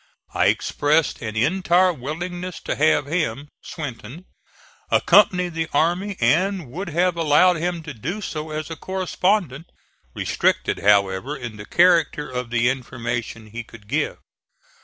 I expressed an entire willingness to have him (Swinton) accompany the army, and would have allowed him to do so as a correspondent, restricted, however, in the character of the information he could give.